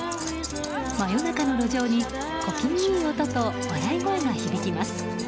真夜中の路上に小気味いい音と笑い声が響きます。